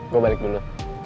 gue balik dulu